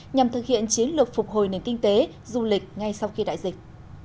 nhằm thực hiện chiến lược phục hồi nền kinh tế du lịch ngay sau khi đại dịch